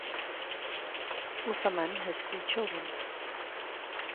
Uthaman has three children.